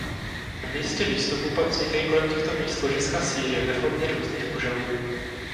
V místě výstupu pak vznikají kolem těchto míst ložiska síry ve formě různých kuželů.